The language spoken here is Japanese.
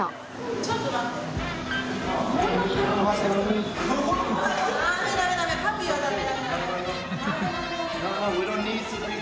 ちょっと待って。